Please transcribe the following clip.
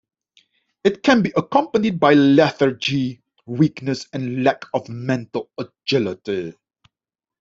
It can be accompanied by lethargy, weakness, and lack of mental agility.